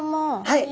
はい。